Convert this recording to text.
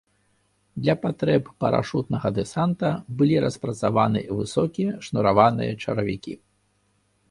Для патрэб парашутнага дэсанта былі распрацаваны высокія шнураваныя чаравікі.